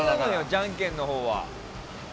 じゃんけんのほうは。